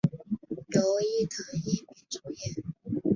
由伊藤英明主演。